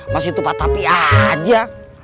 masih tupa tapi aja